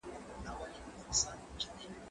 زه مخکي سبزیجات وچولي وو!.